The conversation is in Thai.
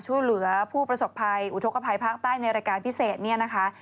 ช่วยเหลือผู้ประสบภัยอุทธกภัยภาคใต้ในรายการพิเศษเนี่ยนะคะ